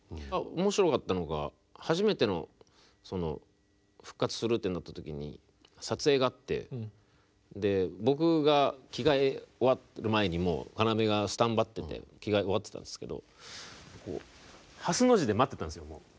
面白かったのが初めての復活するってなった時に撮影があって僕が着替え終わる前にもう要がスタンバってて着替え終わってたんですけどハスの字で待ってたんですよ。